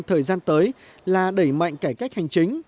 thời gian tới là đẩy mạnh cải cách hành chính